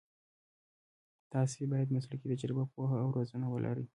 تاسو باید مسلکي تجربه، پوهه او روزنه ولرئ.